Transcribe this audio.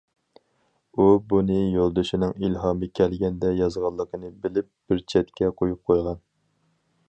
ئۇ بۇنى يولدىشىنىڭ ئىلھامى كەلگەندە يازغانلىقىنى بىلىپ، بىر چەتكە قويۇپ قويغان.